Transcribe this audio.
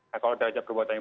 nah kalau derajat perbuatannya